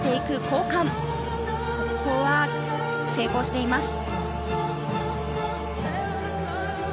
ここは成功しています。